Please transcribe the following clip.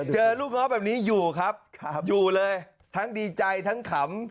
เจอลูกน้องแบบนี้อยู่ครับอยู่เลยทั้งดีใจทั้งขำ